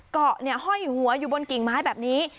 เกาะห้อยหัวอยู่บนกิ่งไม้แบบนี้